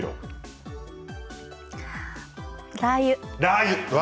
ラー油。